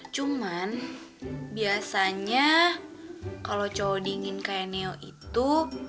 cuman biasanya kalau cowok dingin kayak neo itu